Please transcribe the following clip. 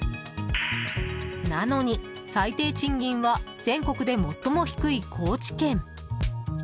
なのに、最低賃金は全国で最も低い高知県。